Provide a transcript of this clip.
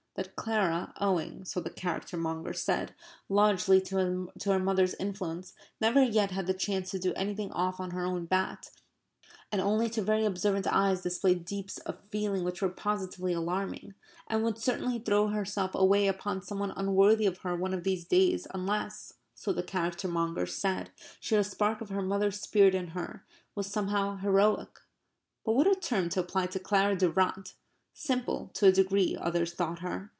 that Clara, owing (so the character mongers said) largely to her mother's influence, never yet had the chance to do anything off her own bat, and only to very observant eyes displayed deeps of feeling which were positively alarming; and would certainly throw herself away upon some one unworthy of her one of these days unless, so the character mongers said, she had a spark of her mother's spirit in her was somehow heroic. But what a term to apply to Clara Durrant! Simple to a degree, others thought her.